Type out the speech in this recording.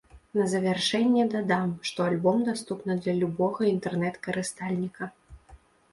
На завяршэнне дадам, што альбом даступны для любога інтэрнэт-карыстальніка.